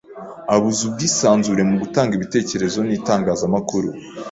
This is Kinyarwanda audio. abuza ubwisanzure mu gutanga ibitekerezo n’itangazamakuru".